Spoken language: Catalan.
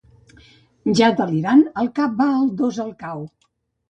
Ja delirant, el cap va als dos al cau.